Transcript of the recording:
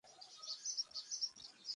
ঘরে প্রদীপ জ্বালা হয় নাই।